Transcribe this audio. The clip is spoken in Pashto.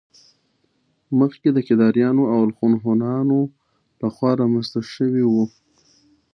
مخکې د کيداريانو او الخون هونانو له خوا رامنځته شوي وو